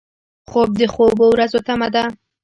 خوب د خوبو ورځو تمه ده